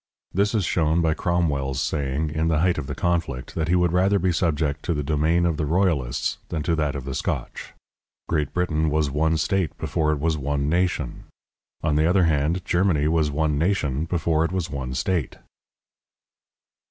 This is shown by Cromwell's saying, in the height of the conflict, that he would rather be subject to the domain of the royalists than to that of the Scotch. Great Britain was one state before it was one nation; on the other hand, Germany was one nation before it was one state.